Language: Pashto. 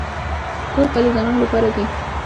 تور کالي د غم لپاره دي.